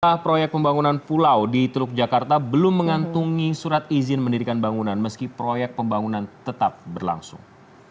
pemerintah proyek pembangunan pulau di teluk jakarta belum mengantungi surat izin mendirikan bangunan meski proyek pembangunan tetap berlangsung